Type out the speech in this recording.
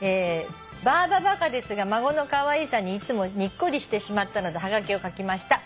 「ばあばバカですが孫のかわいさにいつもにっこりしてしまったのではがきを書きました」